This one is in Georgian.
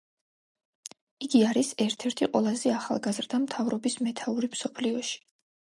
იგი არის ერთ-ერთი ყველაზე ახალგაზრდა მთავრობის მეთაური მსოფლიოში.